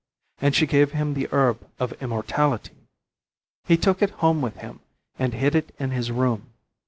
And she gave him the herb of immortality. He took it home with him and hid it in his room.